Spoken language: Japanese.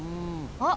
あっ。